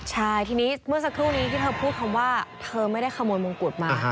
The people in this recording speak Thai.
ใช่ทีนี้เมื่อสักครู่นี้ที่เธอพูดคำว่าเธอไม่ได้ขโมยมงกุฎมา